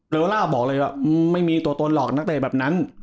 ล่าบอกเลยว่าไม่มีตัวตนหรอกนักเตะแบบนั้น